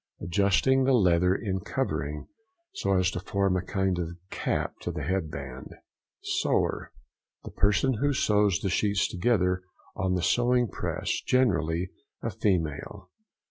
—Adjusting the leather in covering so as to form a kind of cap to the head band. SEWER.—The person who sews the sheets together on the sewing press—generally a female.